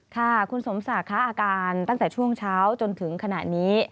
ค่ะคุณสมศักดิ์ค่ะอาการตั้งแต่ช่วงเช้าจนถึงขณะนี้